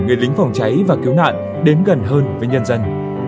người lính phòng cháy và cứu nạn đến gần hơn với nhân dân